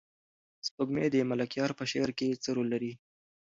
سپوږمۍ د ملکیار په شعر کې څه رول لري؟